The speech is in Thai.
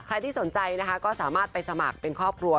ที่สนใจนะคะก็สามารถไปสมัครเป็นครอบครัว